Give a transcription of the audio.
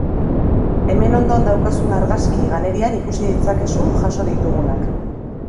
Hemen ondoan daukazun argazki galerian ikusi ditzakezu jaso ditugunak.